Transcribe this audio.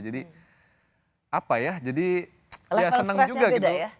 jadi apa ya jadi ya senang juga gitu